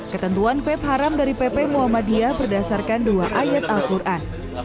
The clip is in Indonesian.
ketentuan fape haram dari pp muhammadiyah berdasarkan dua ayat al quran